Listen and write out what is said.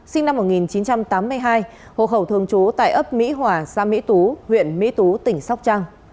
sinh năm một nghìn chín trăm tám mươi hai hộ khẩu thường trú tại ấp mỹ hòa xã mỹ tú huyện mỹ tú tỉnh sóc trăng